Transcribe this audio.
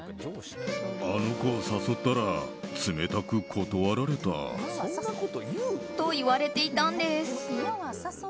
あの子を誘ったら冷たく断られた。と言われていたんです。